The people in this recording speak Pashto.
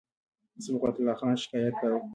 صبغت الله خان شکایت کاوه.